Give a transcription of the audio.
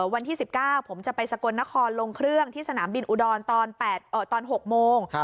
วันที่๑๙ผมจะไปสกลนครลงเครื่องที่สนามบินอุดรตอน๖โมง